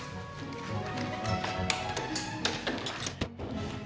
sebentar lagi kita buka bos bersama kok